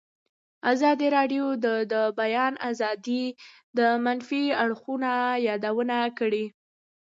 ازادي راډیو د د بیان آزادي د منفي اړخونو یادونه کړې.